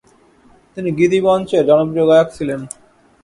তিনি গীতিমঞ্চের জনপ্রিয় গায়ক ছিলেন।